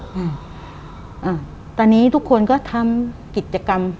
อ่าตอนนี้ทุกคนก็ทำกิจกรรม